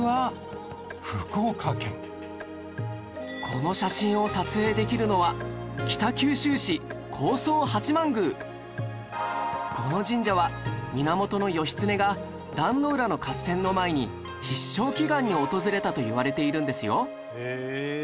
この写真を撮影できるのはこの神社は源義経が壇ノ浦の合戦の前に必勝祈願に訪れたといわれているんですよ